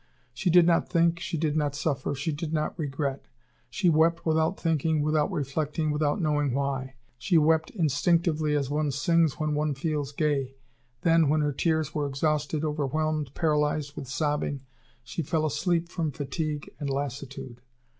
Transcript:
She did not think, she did not suffer, she did not regret. She wept without thinking, without reflecting, without knowing why. She wept instinctively as one sings when one feels gay. Then, when her tears were exhausted, overwhelmed, paralyzed with sobbing, she fell asleep from fatigue and lassitude.